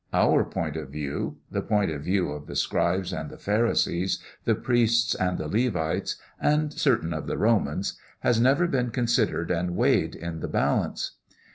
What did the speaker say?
Our point of view the point of view of the scribes and the pharisees, the priests and the Levites, and certain of the Romans has never been considered and weighed in the balance.